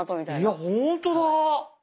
いやほんとだ。